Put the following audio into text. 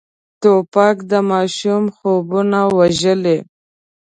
توپک د ماشوم خوبونه وژلي.